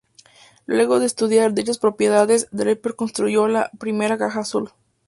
Luego de estudiar dichas propiedades, Draper construyó la primera caja azul.